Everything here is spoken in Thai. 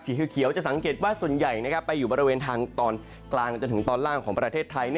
เขียวจะสังเกตว่าส่วนใหญ่ไปอยู่บริเวณทางตอนกลางจนถึงตอนล่างของประเทศไทย